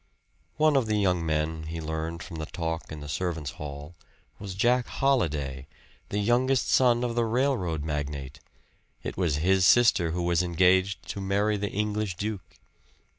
One of the young men, he learned from the talk in the servants' hall, was Jack Holliday, the youngest son of the railroad magnate; it was his sister who was engaged to marry the English duke.